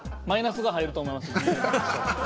マイナスが入ると思います。